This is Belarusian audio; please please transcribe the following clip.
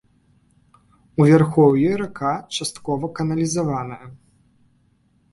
У вярхоўі рака часткова каналізаваная.